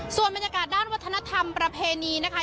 ส่วนบรรยากาศด้านวัฒนธรรมประเพณีนะคะ